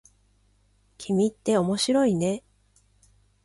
君って面白いね。